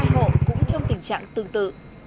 một mươi hai hộ cũng trong tình trạng tương tự